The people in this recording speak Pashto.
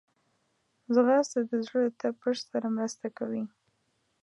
ځغاسته د زړه له تپش سره مرسته کوي